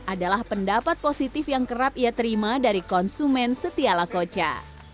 adalah pendapat positif yang kerap ia terima dari konsumen setiala koca